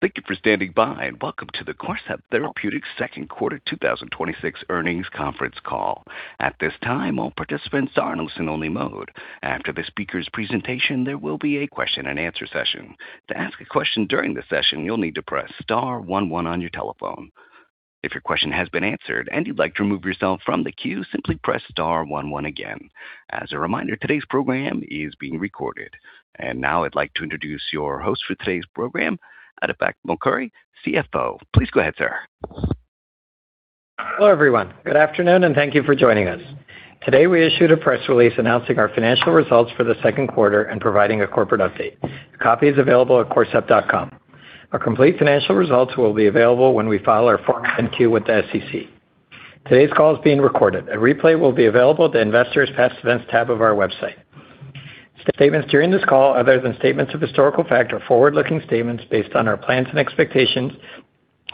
Thank you for standing by, and welcome to the Corcept Therapeutics second quarter 2026 earnings conference call. At this time, all participants are in listen only mode. After the speaker's presentation, there will be a question and answer session. To ask a question during the session, you'll need to press star one one on your telephone. If your question has been answered and you'd like to remove yourself from the queue, simply press star one one again. As a reminder, today's program is being recorded. Now I'd like to introduce your host for today's program, Atabak Mokari, CFO. Please go ahead, sir. Hello, everyone. Good afternoon. Thank you for joining us. Today, we issued a press release announcing our financial results for the second quarter and providing a corporate update. A copy is available at corcept.com. Our complete financial results will be available when we file our Form 10-Q with the SEC. Today's call is being recorded. A replay will be available at the Investors Past Events tab of our website. Statements during this call, other than statements of historical fact, are forward-looking statements based on our plans and expectations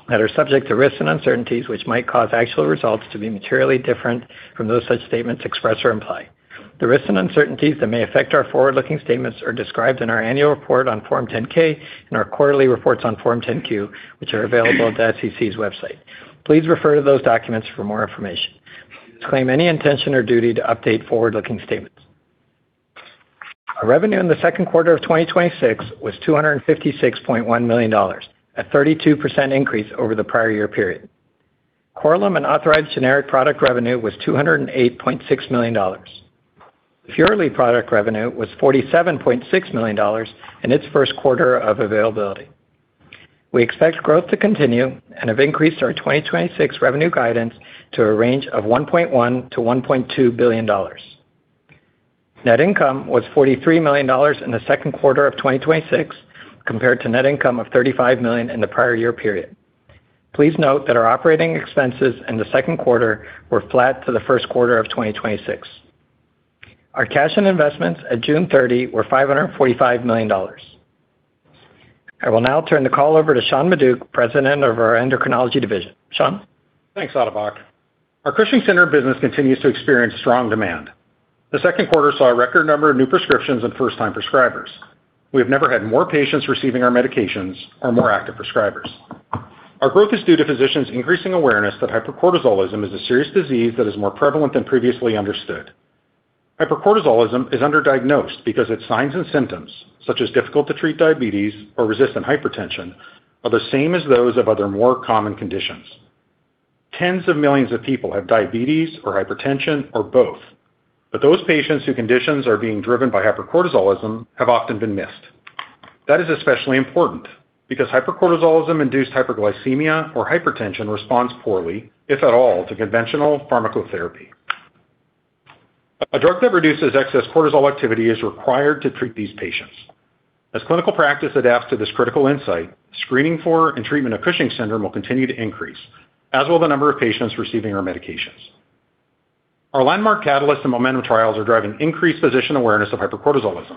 that are subject to risks and uncertainties which might cause actual results to be materially different from those such statements express or imply. The risks and uncertainties that may affect our forward-looking statements are described in our annual report on Form 10-K and our quarterly reports on Form 10-Q, which are available at the SEC's website. Please refer to those documents for more information. We disclaim any intention or duty to update forward-looking statements. Our revenue in the second quarter of 2026 was $256.1 million, a 32% increase over the prior year period. Korlym and authorized generic product revenue was $208.6 million. LIFYORLI product revenue was $47.6 million in its first quarter of availability. We expect growth to continue and have increased our 2026 revenue guidance to a range of $1.1 billion to $1.2 billion. Net income was $43 million in the second quarter of 2026, compared to net income of $35 million in the prior year period. Please note that our operating expenses in the second quarter were flat to the first quarter of 2026. Our cash and investments at June 30 were $545 million. Now I will turn the call over to Sean Maduck, President of our Endocrinology Division. Sean? Thanks, Atabak. Our Cushing's syndrome business continues to experience strong demand. The second quarter saw a record number of new prescriptions and first-time prescribers. We have never had more patients receiving our medications or more active prescribers. Our growth is due to physicians' increasing awareness that hypercortisolism is a serious disease that is more prevalent than previously understood. Hypercortisolism is underdiagnosed because its signs and symptoms, such as difficult-to-treat diabetes or resistant hypertension, are the same as those of other more common conditions. Tens of millions of people have diabetes or hypertension or both, but those patients whose conditions are being driven by hypercortisolism have often been missed. That is especially important because hypercortisolism-induced hyperglycemia or hypertension responds poorly, if at all, to conventional pharmacotherapy. A drug that reduces excess cortisol activity is required to treat these patients. As clinical practice adapts to this critical insight, screening for and treatment of Cushing's syndrome will continue to increase, as will the number of patients receiving our medications. Our landmark CATALYST and MOMENTUM trials are driving increased physician awareness of hypercortisolism.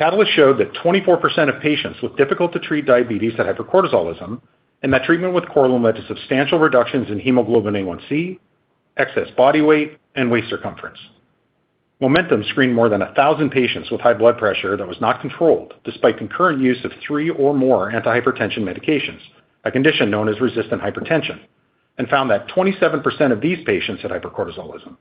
CATALYST showed that 24% of patients with difficult-to-treat diabetes had hypercortisolism, and that treatment with Korlym led to substantial reductions in hemoglobin A1c, excess body weight, and waist circumference. MOMENTUM screened more than 1,000 patients with high blood pressure that was not controlled despite concurrent use of three or more antihypertension medications, a condition known as resistant hypertension, and found that 27% of these patients had hypercortisolism.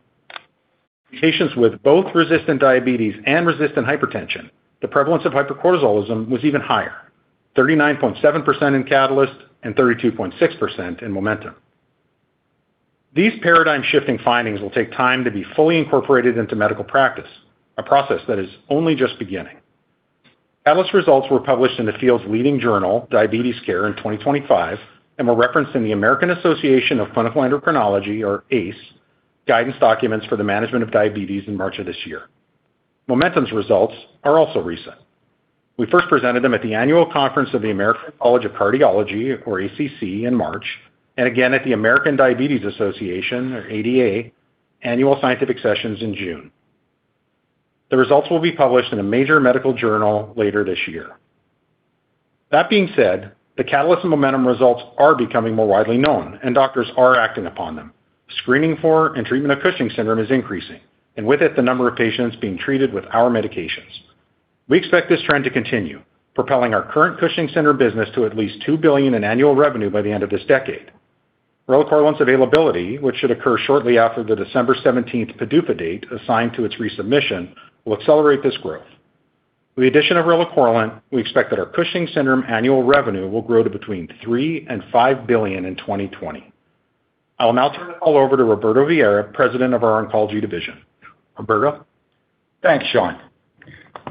Patients with both resistant diabetes and resistant hypertension, the prevalence of hypercortisolism was even higher, 39.7% in CATALYST and 32.6% in MOMENTUM. These paradigm-shifting findings will take time to be fully incorporated into medical practice, a process that is only just beginning. CATALYST results were published in the field's leading journal, "Diabetes Care," in 2025, and were referenced in the American Association of Clinical Endocrinology, or AACE, guidance documents for the management of diabetes in March of this year. MOMENTUM's results are also recent. We first presented them at the annual conference of the American College of Cardiology, or ACC, in March, and again at the American Diabetes Association, or ADA, annual scientific sessions in June. The results will be published in a major medical journal later this year. That being said, the CATALYST and MOMENTUM results are becoming more widely known, and doctors are acting upon them. Screening for and treatment of Cushing's Syndrome is increasing, and with it, the number of patients being treated with our medications. We expect this trend to continue, propelling our current Cushing's Syndrome business to at least $2 billion in annual revenue by the end of this decade. relacorilant's availability, which should occur shortly after the December 17th PDUFA date assigned to its resubmission, will accelerate this growth. With the addition of relacorilant, we expect that our Cushing's Syndrome annual revenue will grow to between $3 billion and $5 billion in 2030. I will now turn the call over to Roberto Vieira, President of our oncology division. Roberto? Thanks, Sean.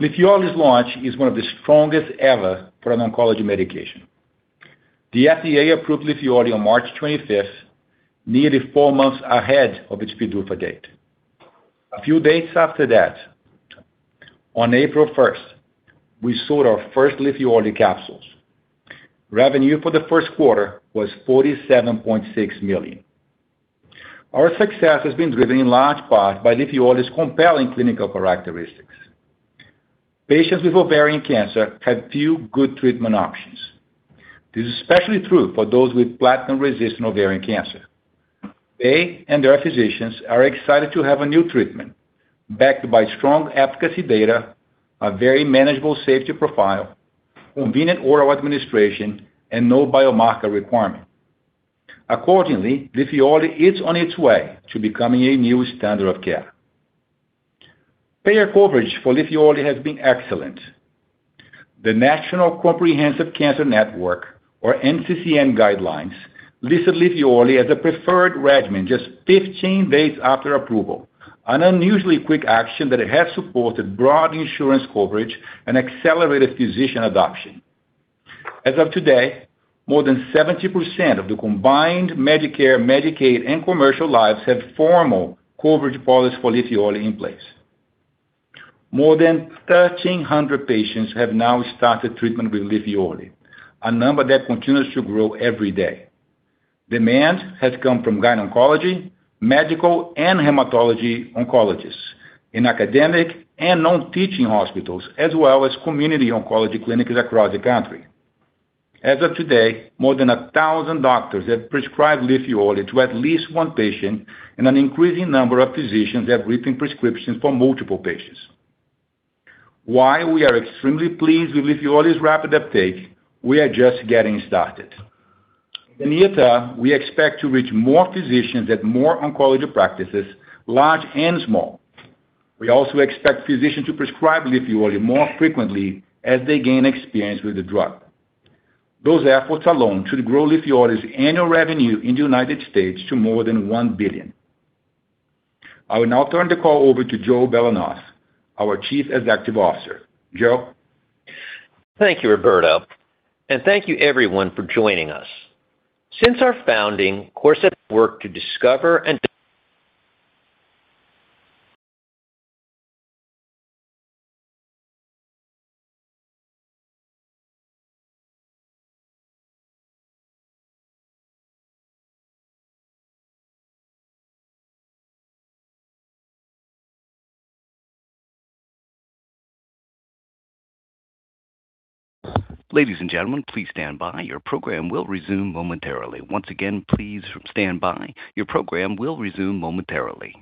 LIFYORLI's launch is one of the strongest ever for an oncology medication. The FDA approved LIFYORLI on March 25th, nearly four months ahead of its PDUFA date. A few days after that, on April 1st, we sold our first LIFYORLI capsules. Revenue for the first quarter was $47.6 million. Our success has been driven in large part by LIFYORLI's compelling clinical characteristics. Patients with ovarian cancer have few good treatment options. This is especially true for those with platinum-resistant ovarian cancer They and their physicians are excited to have a new treatment backed by strong efficacy data, a very manageable safety profile, convenient oral administration, and no biomarker requirement. Accordingly, LIFYORLI is on its way to becoming a new standard of care. Payer coverage for LIFYORLI has been excellent. The National Comprehensive Cancer Network, or NCCN guidelines, listed LIFYORLI as a preferred regimen just 15 days after approval, an unusually quick action that has supported broad insurance coverage and accelerated physician adoption. As of today, more than 70% of the combined Medicare, Medicaid, and commercial lives have formal coverage policies for LIFYORLI in place. More than 1,300 patients have now started treatment with LIFYORLI, a number that continues to grow every day. Demand has come from gynecology, medical, and hematology oncologists in academic and non-teaching hospitals, as well as community oncology clinics across the country. As of today, more than 1,000 doctors have prescribed LIFYORLI to at least one patient, and an increasing number of physicians have written prescriptions for multiple patients. While we are extremely pleased with LIFYORLI's rapid uptake, we are just getting started. In the near term, we expect to reach more physicians at more oncology practices, large and small. We also expect physicians to prescribe LIFYORLI more frequently as they gain experience with the drug. Those efforts alone should grow LIFYORLI's annual revenue in the United States to more than $1 billion. I will now turn the call over to Joe Belanoff, our Chief Executive Officer. Joe? Thank you, Roberto. Thank you, everyone, for joining us. Since our founding, Corcept has worked to discover. Ladies and gentlemen, please stand by. Your program will resume momentarily. Once again, please stand by. Your program will resume momentarily.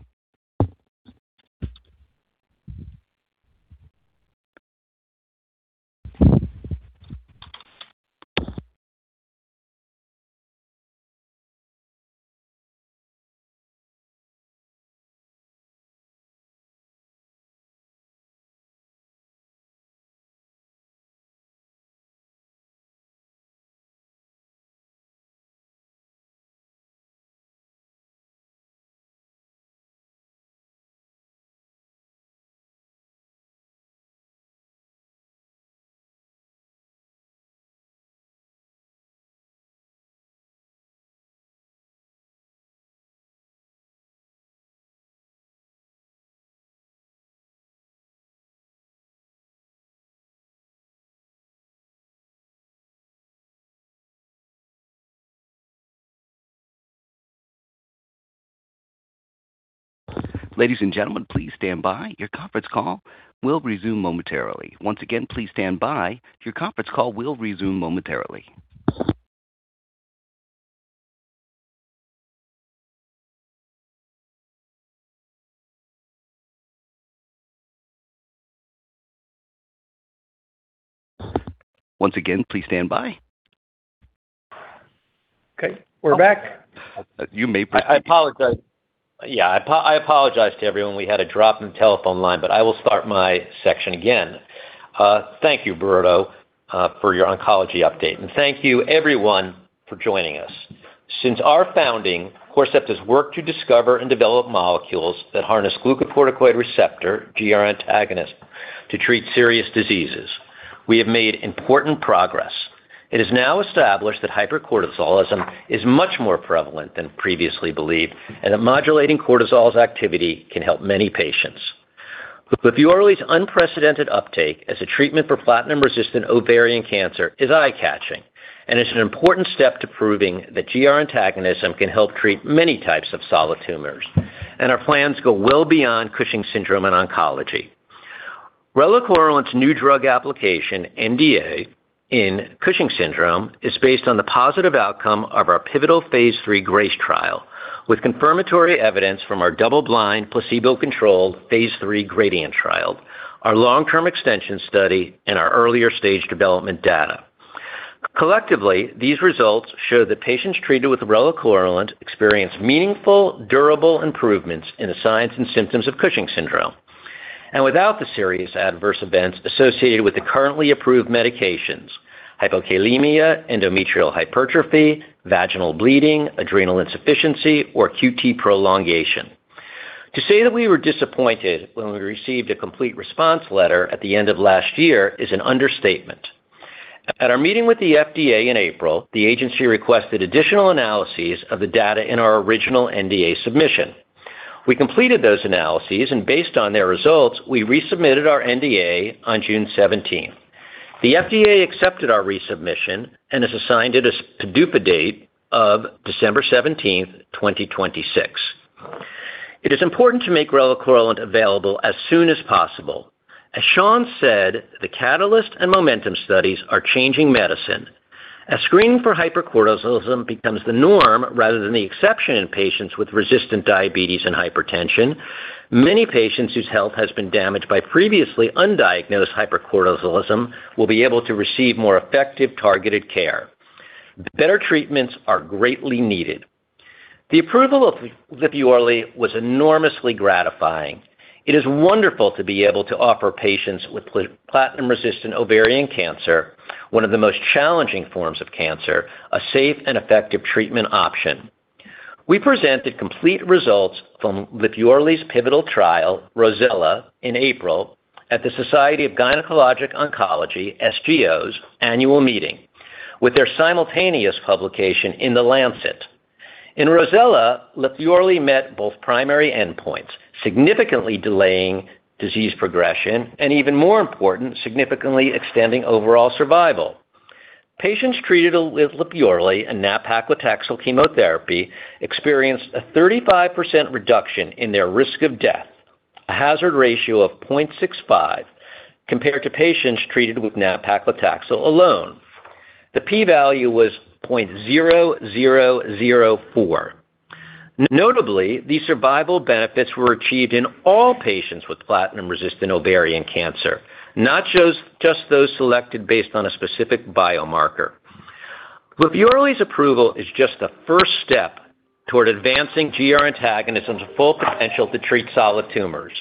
Ladies and gentlemen, please stand by. Your conference call will resume momentarily. Once again, please stand by. Your conference call will resume momentarily. Once again, please stand by. Okay. We're back. You may- I apologize. Yeah, I apologize to everyone. We had a drop in the telephone line, but I will start my section again. Thank you, Roberto, for your oncology update. Thank you, everyone, for joining us. Since our founding, Corcept has worked to discover and develop molecules that harness glucocorticoid receptor, GR antagonist, to treat serious diseases. We have made important progress. It is now established that hypercortisolism is much more prevalent than previously believed, and that modulating cortisol's activity can help many patients. LIFYORLI's unprecedented uptake as a treatment for platinum-resistant ovarian cancer is eye-catching, and it's an important step to proving that GR antagonism can help treat many types of solid tumors. Our plans go well beyond Cushing's syndrome and oncology. relacorilant's new drug application, NDA, in Cushing's syndrome is based on the positive outcome of our pivotal phase III GRACE trial, with confirmatory evidence from our double-blind, placebo-controlled phase III GRADIENT trial, our long-term extension study, and our earlier stage development data. Collectively, these results show that patients treated with relacorilant experience meaningful, durable improvements in the signs and symptoms of Cushing's syndrome. Without the serious adverse events associated with the currently approved medications, hypokalemia, endometrial hypertrophy, vaginal bleeding, adrenal insufficiency, or QT prolongation. To say that we were disappointed when we received a complete response letter at the end of last year is an understatement. At our meeting with the FDA in April, the agency requested additional analyses of the data in our original NDA submission. We completed those analyses, and based on their results, we resubmitted our NDA on June 17th. The FDA accepted our resubmission and has assigned it a PDUFA date of December 17th, 2026. It is important to make relacorilant available as soon as possible. As Sean said, the CATALYST and MOMENTUM studies are changing medicine. As screening for hypercortisolism becomes the norm rather than the exception in patients with resistant diabetes and hypertension, many patients whose health has been damaged by previously undiagnosed hypercortisolism will be able to receive more effective targeted care. Better treatments are greatly needed. The approval of LIFYORLI was enormously gratifying. It is wonderful to be able to offer patients with platinum-resistant ovarian cancer, one of the most challenging forms of cancer, a safe and effective treatment option. We presented complete results from LIFYORLI's pivotal trial, ROSELLA, in April at the Society of Gynecologic Oncology, SGO's annual meeting, with their simultaneous publication in "The Lancet." In ROSELLA, LIFYORLI met both primary endpoints, significantly delaying disease progression, and even more important, significantly extending overall survival. Patients treated with LIFYORLI and nab-paclitaxel chemotherapy experienced a 35% reduction in their risk of death, a hazard ratio of 0.65, compared to patients treated with nab-paclitaxel alone. The P value was 0.0004. Notably, these survival benefits were achieved in all patients with platinum-resistant ovarian cancer, not just those selected based on a specific biomarker. LIFYORLI's approval is just the first step toward advancing GR antagonism's full potential to treat solid tumors.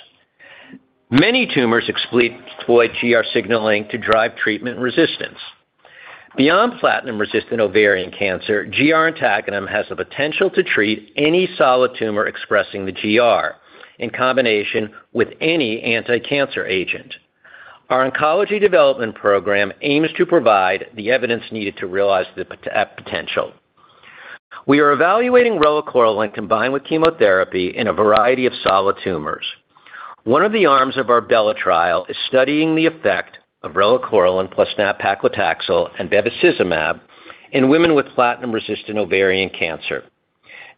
Many tumors exploit GR signaling to drive treatment resistance. Beyond platinum-resistant ovarian cancer, GR antagonist has the potential to treat any solid tumor expressing the GR in combination with any anticancer agent. Our oncology development program aims to provide the evidence needed to realize that potential. We are evaluating relacorilant combined with chemotherapy in a variety of solid tumors. One of the arms of our BELLA trial is studying the effect of relacorilant plus nab-paclitaxel and bevacizumab in women with platinum-resistant ovarian cancer.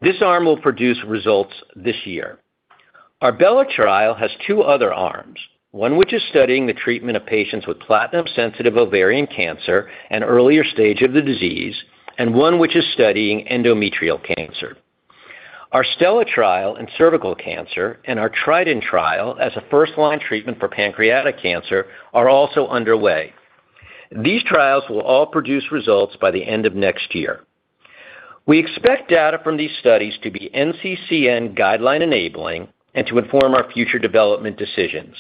This arm will produce results this year. Our BELLA trial has two other arms, one which is studying the treatment of patients with platinum-sensitive ovarian cancer and earlier stage of the disease, and one which is studying endometrial cancer. Our STELLA trial in cervical cancer and our TRIDENT trial as a first-line treatment for pancreatic cancer are also underway. These trials will all produce results by the end of next year. We expect data from these studies to be NCCN guideline-enabling and to inform our future development decisions.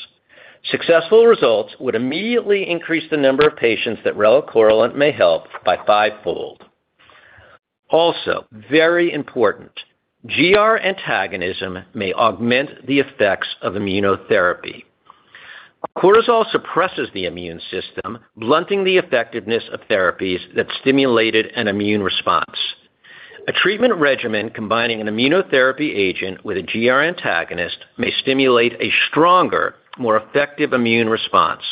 Successful results would immediately increase the number of patients that relacorilant may help by fivefold. Very important, GR antagonism may augment the effects of immunotherapy. Cortisol suppresses the immune system, blunting the effectiveness of therapies that stimulated an immune response. A treatment regimen combining an immunotherapy agent with a GR antagonist may stimulate a stronger, more effective immune response.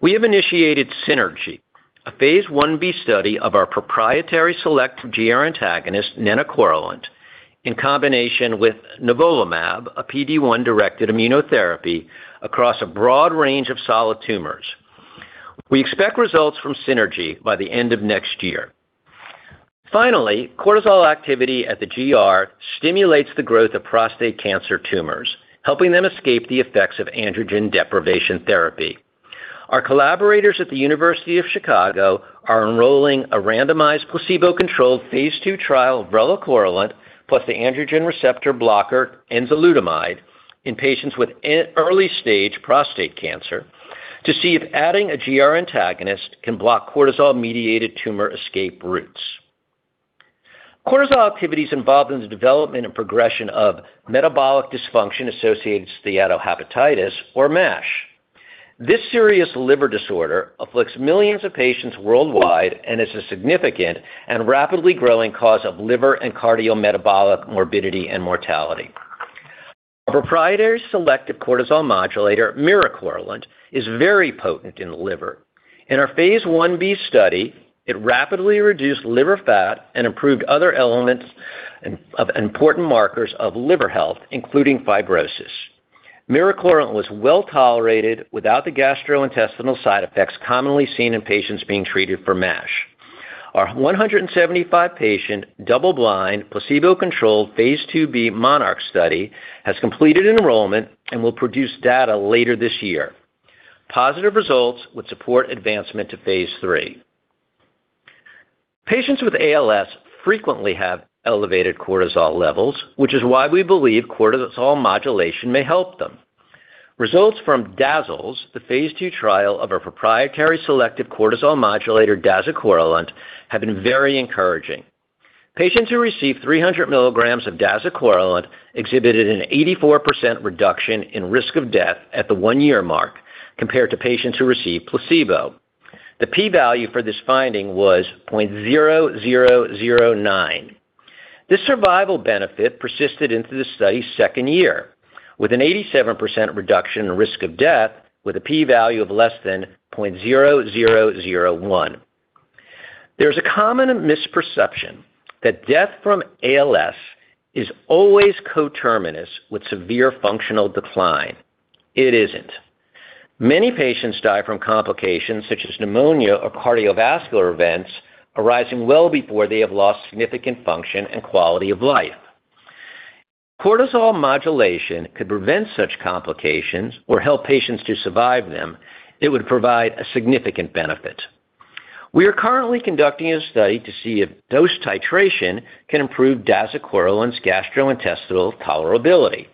We have initiated SYNERGY, a phase I-B study of our proprietary selective GR antagonist, nenicorilant, in combination with nivolumab, a PD-1-directed immunotherapy, across a broad range of solid tumors. We expect results from SYNERGY by the end of next year. Cortisol activity at the GR stimulates the growth of prostate cancer tumors, helping them escape the effects of androgen deprivation therapy. Our collaborators at the University of Chicago are enrolling a randomized, placebo-controlled phase II trial of relacorilant plus the androgen receptor blocker enzalutamide in patients with early-stage prostate cancer to see if adding a GR antagonist can block cortisol-mediated tumor escape routes. Cortisol activity is involved in the development and progression of metabolic dysfunction associated steatohepatitis, or MASH. This serious liver disorder afflicts millions of patients worldwide and is a significant and rapidly growing cause of liver and cardiometabolic morbidity and mortality. Our proprietary selective cortisol modulator, miricorilant, is very potent in the liver. In our phase I-B study, it rapidly reduced liver fat and improved other elements of important markers of liver health, including fibrosis. Miricorilant was well-tolerated without the gastrointestinal side effects commonly seen in patients being treated for MASH. Our 175-patient, double-blind, placebo-controlled phase II-B MONARCH study has completed enrollment and will produce data later this year. Positive results would support advancement to phase III. Patients with ALS frequently have elevated cortisol levels, which is why we believe cortisol modulation may help them. Results from DAZALS, the phase II trial of our proprietary selective cortisol modulator, dazucorilant, have been very encouraging. Patients who received 300 milligrams of dazucorilant exhibited an 84% reduction in risk of death at the one-year mark compared to patients who received placebo. The P value for this finding was 0.0009. This survival benefit persisted into the study's second year, with an 87% reduction in risk of death with a P value of less than 0.0001. There's a common misperception that death from ALS is always coterminous with severe functional decline. It isn't. Many patients die from complications such as pneumonia or cardiovascular events arising well before they have lost significant function and quality of life. Cortisol modulation could prevent such complications or help patients to survive them, it would provide a significant benefit. We are currently conducting a study to see if dose titration can improve dazucorilant's gastrointestinal tolerability.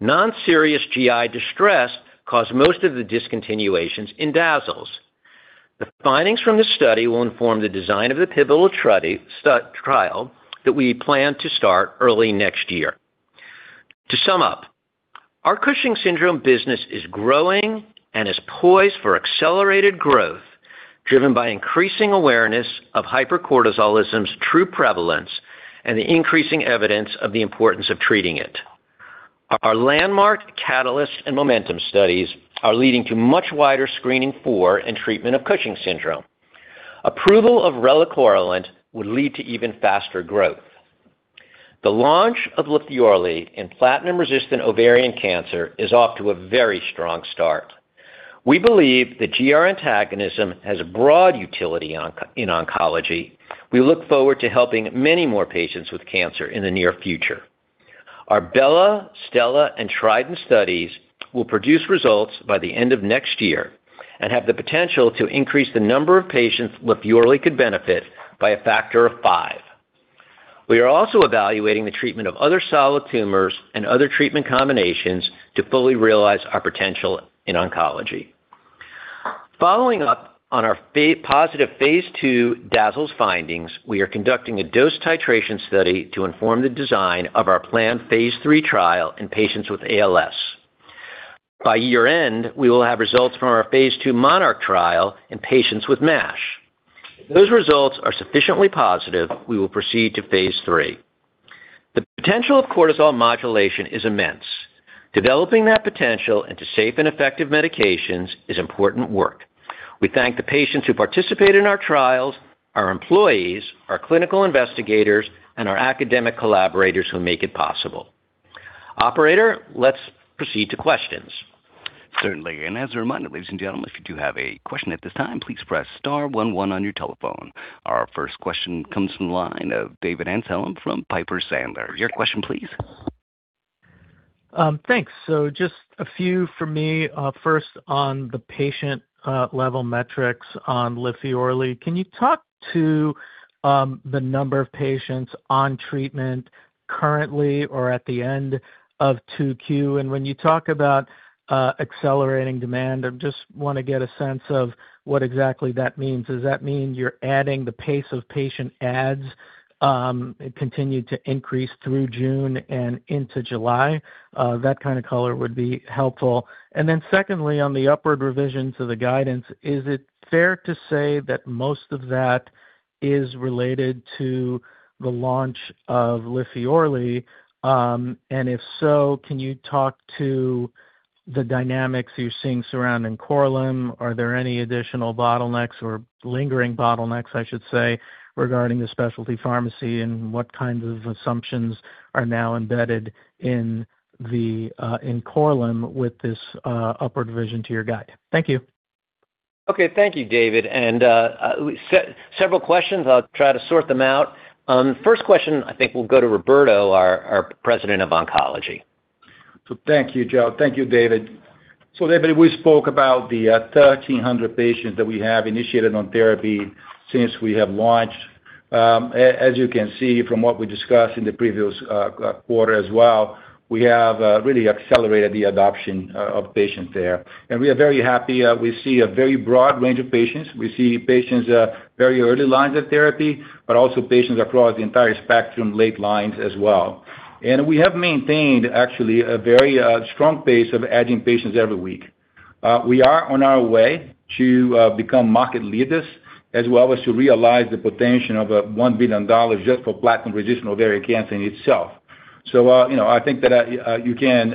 Non-serious GI distress caused most of the discontinuations in DAZALS. The findings from this study will inform the design of the pivotal trial that we plan to start early next year. Our Cushing's syndrome business is growing and is poised for accelerated growth, driven by increasing awareness of hypercortisolism's true prevalence and the increasing evidence of the importance of treating it. Our landmark CATALYST and MOMENTUM studies are leading to much wider screening for and treatment of Cushing's syndrome. Approval of relacorilant would lead to even faster growth. The launch of LIFYORLI in platinum-resistant ovarian cancer is off to a very strong start. We believe that GR antagonism has broad utility in oncology. We look forward to helping many more patients with cancer in the near future. Our BELLA, STELLA, and TRIDENT studies will produce results by the end of next year and have the potential to increase the number of patients LIFYORLI could benefit by a factor of five. We are also evaluating the treatment of other solid tumors and other treatment combinations to fully realize our potential in oncology. Following up on our positive Phase II DAZALS findings, we are conducting a dose titration study to inform the design of our planned Phase III trial in patients with ALS. By year-end, we will have results from our Phase II MONARCH trial in patients with MASH. If those results are sufficiently positive, we will proceed to Phase III. The potential of cortisol modulation is immense. Developing that potential into safe and effective medications is important work. We thank the patients who participate in our trials, our employees, our clinical investigators, and our academic collaborators who make it possible. Operator, let's proceed to questions. Certainly. As a reminder, ladies and gentlemen, if you do have a question at this time, please press star one one on your telephone. Our first question comes from the line of David Amsellem from Piper Sandler. Your question, please. Thanks. Just a few from me. First, on the patient level metrics on LIFYORLI, can you talk to the number of patients on treatment currently or at the end of 2Q? When you talk about accelerating demand, I just want to get a sense of what exactly that means. Does that mean you're adding the pace of patient adds continue to increase through June and into July? That kind of color would be helpful. Then secondly, on the upward revision to the guidance, is it fair to say that most of that is related to the launch of LIFYORLI? If so, can you talk to the dynamics you're seeing surrounding Korlym? Are there any additional bottlenecks or lingering bottlenecks, I should say, regarding the specialty pharmacy, and what kinds of assumptions are now embedded in Korlym with this upward revision to your guide? Thank you. Okay. Thank you, David. Several questions. I'll try to sort them out. First question, I think will go to Roberto, our President of Oncology. Thank you, Joe. Thank you, David. David, we spoke about the 1,300 patients that we have initiated on therapy since we have launched. As you can see from what we discussed in the previous quarter as well, we have really accelerated the adoption of patients there. We are very happy. We see a very broad range of patients. We see patients very early lines of therapy, but also patients across the entire spectrum, late lines as well. We have maintained actually a very strong pace of adding patients every week. We are on our way to become market leaders, as well as to realize the potential of $1 billion just for platinum-resistant ovarian cancer in itself. I think that you can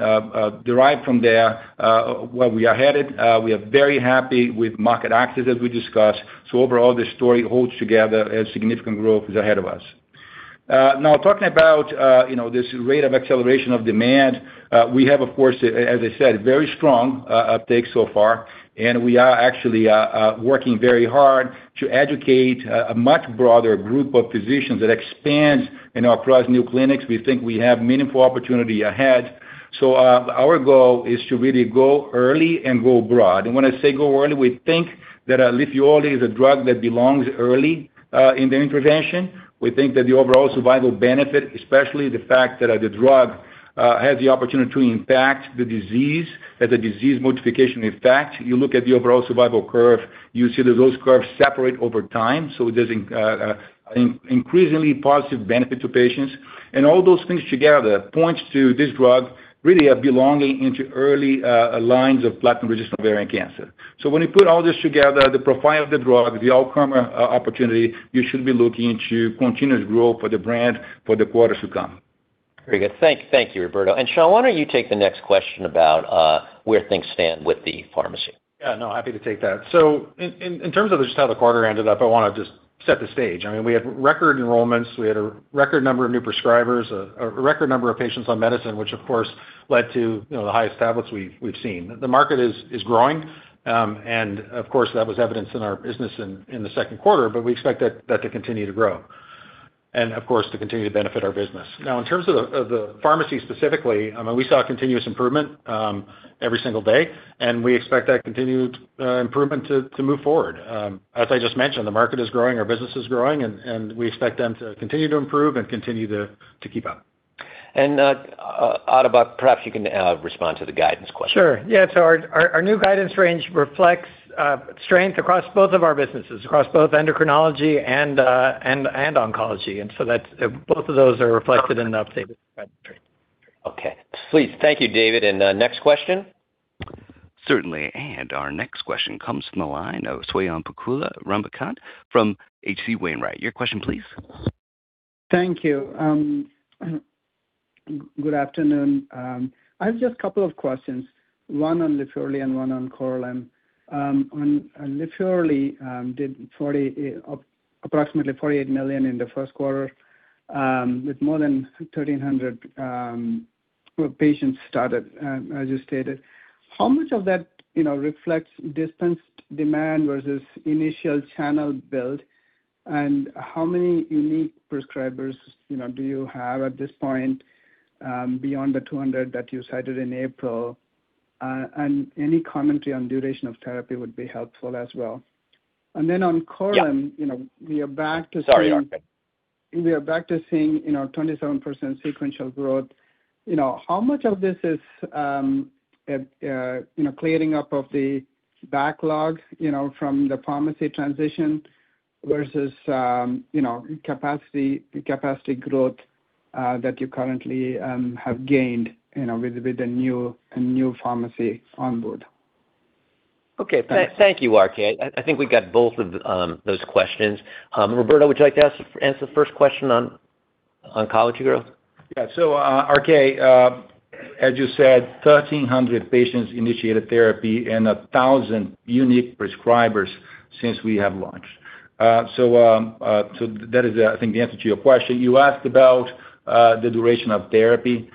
derive from there where we are headed. We are very happy with market access, as we discussed. Overall, this story holds together as significant growth is ahead of us. Now, talking about this rate of acceleration of demand, we have, of course, as I said, very strong uptake so far, and we are actually working very hard to educate a much broader group of physicians that expands and across new clinics. We think we have meaningful opportunity ahead. Our goal is to really go early and go broad. When I say go early, we think that LIFYORLI is a drug that belongs early in the intervention. We think that the overall survival benefit, especially the fact that the drug has the opportunity to impact the disease, has a disease modification effect. You look at the overall survival curve, you see that those curves separate over time. There's an increasingly positive benefit to patients. All those things together points to this drug really belonging into early lines of platinum-resistant ovarian cancer. When you put all this together, the profile of the drug, the outcome opportunity, you should be looking into continuous growth for the brand for the quarters to come. Very good. Thank you, Roberto. Sean, why don't you take the next question about where things stand with the pharmacy? Happy to take that. In terms of just how the quarter ended up, I want to just set the stage. We had record enrollments. We had a record number of new prescribers, a record number of patients on medicine, which of course, led to the highest tablets we've seen. The market is growing. Of course, that was evidenced in our business in the second quarter, We expect that to continue to grow. Of course, to continue to benefit our business. In terms of the pharmacy specifically, we saw continuous improvement every single day, We expect that continued improvement to move forward. As I just mentioned, the market is growing, our business is growing, We expect them to continue to improve and continue to keep up. Atabak, perhaps you can respond to the guidance question. Sure. Our new guidance range reflects strength across both of our businesses, across both endocrinology and oncology. Both of those are reflected in the updated guidance range. Okay. Please. Thank you, David. Next question. Certainly. Our next question comes from the line of Swayampakula Ramakanth from H.C. Wainwright. Your question, please. Thank you. Good afternoon. I have just a couple of questions, one on LIFYORLI and one on Korlym. On LIFYORLI, did approximately $48 million in the first quarter, with more than 1,300 patients started, as you stated. How much of that reflects distanced demand versus initial channel build? How many unique prescribers do you have at this point beyond the 200 that you cited in April? Any commentary on duration of therapy would be helpful as well. Then on Korlym- Yeah we are back to seeing- Sorry, RK. We are back to seeing 27% sequential growth. How much of this is clearing up of the backlog from the pharmacy transition versus capacity growth that you currently have gained with the new pharmacy on board? Okay. Thank you, RK. I think we got both of those questions. Roberto, would you like to answer the first question on oncology growth? Yeah. RK, as you said, 1,300 patients initiated therapy and 1,000 unique prescribers since we have launched. That is, I think, the answer to your question. You asked about the duration of therapy.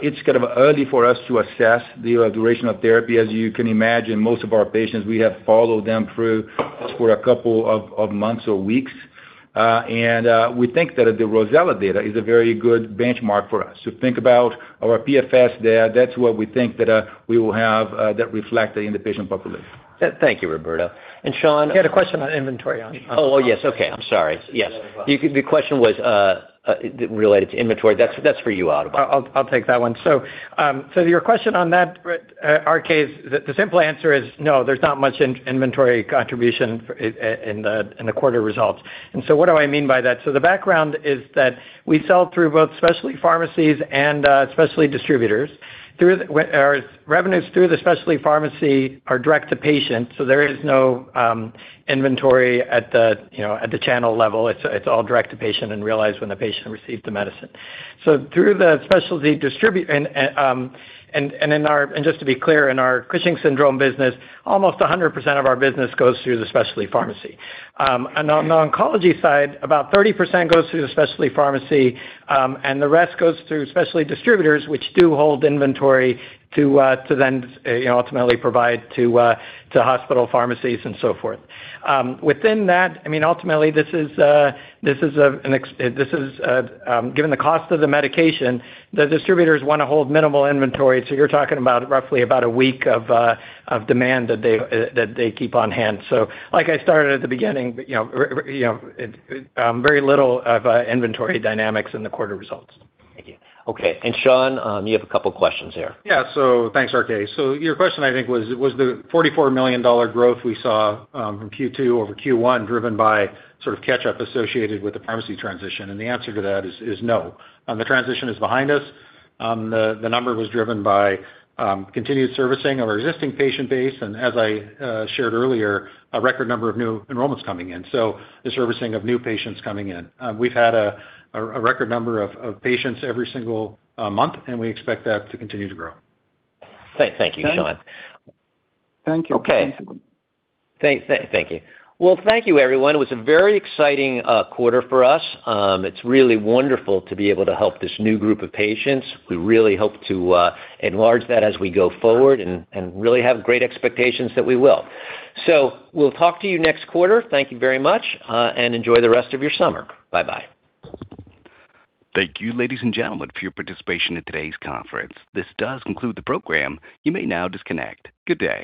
It's kind of early for us to assess the duration of therapy. As you can imagine, most of our patients, we have followed them through for a couple of months or weeks. We think that the ROSELLA data is a very good benchmark for us. Think about our PFS data. That's what we think that we will have that reflected in the patient population. Thank you, Roberto. Sean. He had a question on inventory on the phone. Yes. I'm sorry. Yes. The question was related to inventory. That's for you, Atabak. I'll take that one. Your question on that, RK, the simple answer is no, there's not much inventory contribution in the quarter results. What do I mean by that? The background is that we sell through both specialty pharmacies and specialty distributors. Revenues through the specialty pharmacy are direct to patient, so there is no inventory at the channel level. It's all direct to patient and realized when the patient received the medicine. Just to be clear, in our Cushing's syndrome business, almost 100% of our business goes through the specialty pharmacy. On the oncology side, about 30% goes through the specialty pharmacy, and the rest goes through specialty distributors, which do hold inventory to then ultimately provide to hospital pharmacies and so forth. Within that, ultimately, given the cost of the medication, the distributors want to hold minimal inventory. You're talking about roughly about a week of demand that they keep on hand. Like I started at the beginning, very little of inventory dynamics in the quarter results. Thank you. Okay. Sean, you have a couple questions here. Thanks, RK. Your question, I think, was the $44 million growth we saw from Q2 over Q1 driven by sort of catch-up associated with the pharmacy transition. The answer to that is no. The transition is behind us. The number was driven by continued servicing of our existing patient base and, as I shared earlier, a record number of new enrollments coming in, so the servicing of new patients coming in. We've had a record number of patients every single month, and we expect that to continue to grow. Thank you, Sean. Thank you. Okay. Thank you. Well, thank you, everyone. It was a very exciting quarter for us. It's really wonderful to be able to help this new group of patients. We really hope to enlarge that as we go forward and really have great expectations that we will. We'll talk to you next quarter. Thank you very much, and enjoy the rest of your summer. Bye-bye. Thank you, ladies and gentlemen, for your participation in today's conference. This does conclude the program. You may now disconnect. Good day.